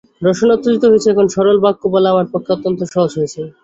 রসনা উত্তেজিত হয়েছে, এখন সরল বাক্য বলা আমার পক্ষে অত্যন্ত সহজ হয়েছে।